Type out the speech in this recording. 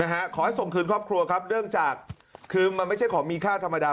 ขอให้ส่งคืนครอบครัวครับเนื่องจากคือมันไม่ใช่ของมีค่าธรรมดา